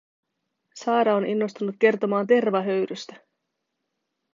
Saara on innostunut kertomaan tervahöyrystä.